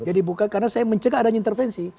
jadi bukan karena saya mencegah ada intervensi